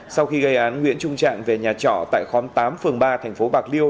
sau khi gây án nguyễn trung trạng về nhà trọ tại khóm tám phường ba thành phố bạc liêu